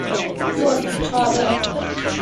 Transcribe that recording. Sowas ist schade.